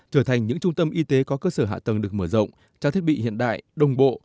trở thành những trung tâm y tế có cơ sở hạ tầng được mở rộng trang thiết bị hiện đại đồng bộ